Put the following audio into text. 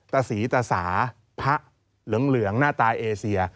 ตะศรีตะสาพระเหลืองหน้าตาเอเซีย